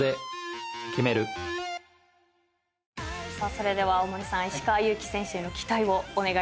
それでは大森さん石川祐希選手への期待をお願いします。